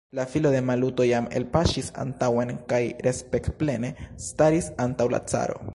La filo de Maluto jam elpaŝis antaŭen kaj respektplene staris antaŭ la caro.